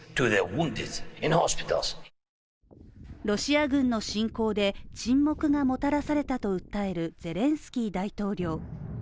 ロシア軍の侵攻で沈黙がもたらされたと訴えるゼレンスキー大統領。